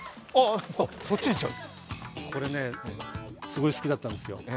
これね、すごい好きだったんですよ